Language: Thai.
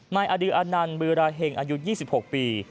นายอดีอนันต์บือราเห็งอายุ๒๖ปี